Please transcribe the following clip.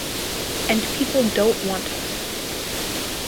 And people don't want us.